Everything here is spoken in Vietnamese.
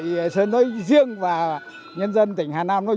để đi xem hội tịch điền năm nay